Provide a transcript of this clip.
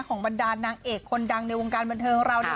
บรรดานางเอกคนดังในวงการบันเทิงของเราเนี่ย